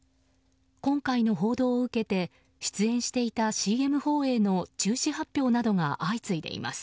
今回の報道を受けて出演していたＣＭ放映の中止発表などが相次いでいます。